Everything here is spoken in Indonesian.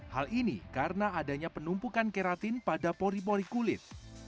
hal ini karena adanya penumpukan keratin pada pori pori kulit